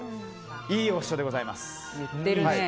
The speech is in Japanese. いいお塩でございます。